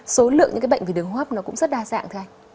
số lượng những cái bệnh về đường hốp nó cũng rất đa dạng thôi anh